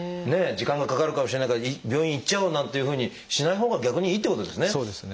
「時間がかかるかもしれないから病院行っちゃおう」なんていうふうにしないほうが逆にいいってことですね？